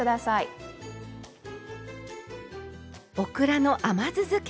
オクラの甘酢づけ。